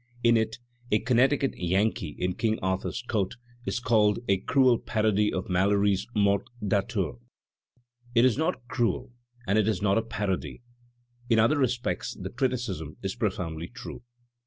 In it "A Connecticut Yankee in King Arthur's Court" is called a "cruel parady of Malory's *Morte d'Arthur/ '* It is not cruel and it is not a parody; in other respects the criti cism is profoundly true.